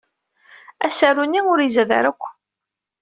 Asaru-nni ur izad wara akk.